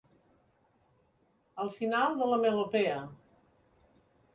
El final de la melopea.